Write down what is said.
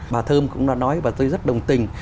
bà thơm cũng đã nói và tôi rất đồng tình